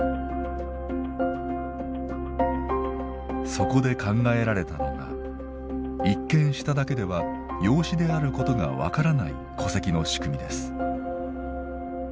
そこで考えられたのが一見しただけでは養子であることが分からない戸籍の仕組みです。